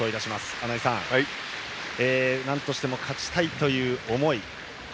穴井さん、なんとしても勝ちたいという思い。